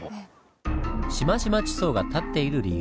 シマシマ地層が立っている理由